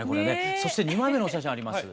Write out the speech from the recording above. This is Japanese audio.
そして２枚目のお写真あります。